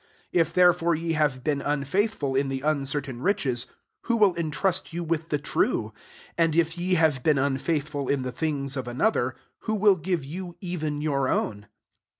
1 1 If therefore ye have been unfaithful in the uncertaia riches, who will entrust you with the. true ? 12 And if ym have been unfaithful in th# things of another, who will |plve you even your own